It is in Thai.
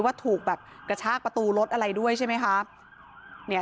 ว่าถูกกระชากประตูรถอะไรด้วยใช่ไหมคะ